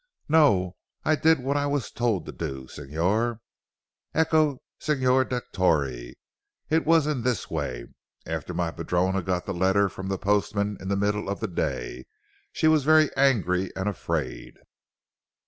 "No. I did what I was told to do Signor. Ecco Signor Dottore, it was in this way. After my padrona got the letter from the postman in the middle of the day, she was very angry and afraid."